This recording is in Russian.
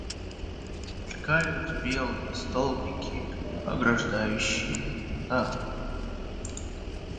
Мелькают белые столбики, ограждающие дорогу.